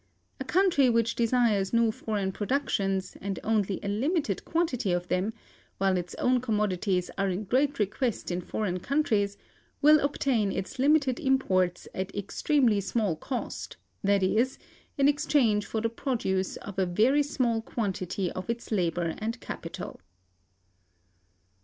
A country which desires few foreign productions, and only a limited quantity of them, while its own commodities are in great request in foreign countries, will obtain its limited imports at extremely small cost, that is, in exchange for the produce of a very small quantity of its labor and capital.